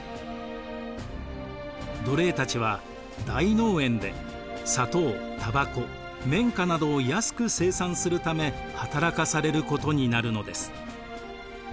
奴隷たちは大農園で砂糖タバコ綿花などを安く生産するため働かされることになるのです。